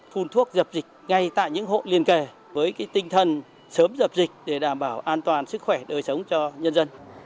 phun thuốc dập dịch ngay tại những hộ liên kề với tinh thần sớm dập dịch để đảm bảo an toàn sức khỏe đời sống cho nhân dân